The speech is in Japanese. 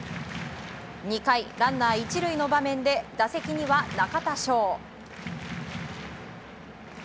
２回、ランナー１塁の場面で打席には中田翔。